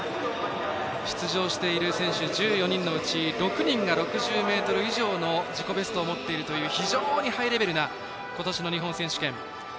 出場している選手１４人のうち６人が６０ｍ以上の自己ベストを持っているという非常にハイレベルな今年の日本選手権。